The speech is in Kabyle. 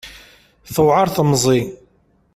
Tewɛer temẓi.